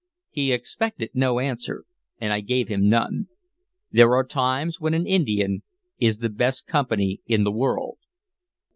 He expected no answer, and I gave him none. There are times when an Indian is the best company in the world.